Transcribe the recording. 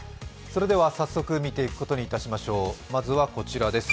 それでは早速見ていくことにいたしましょう、まずはこちらです。